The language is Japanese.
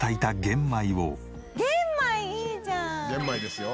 「玄米ですよ」